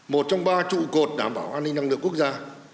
một trong ba trụ cột đảm bảo an ninh năng lượng quốc gia